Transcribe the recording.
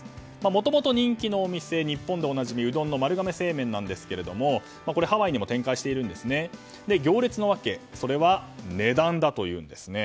もともと人気のお店日本でおなじみうどんの丸亀製麺ですが、こちらハワイにも展開していますが行列のわけは値段だというんです。